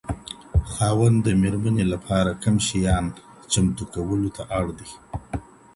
خاوند د ميرمنې لپاره کوم شیان چمتو کولو ته اړ دی؟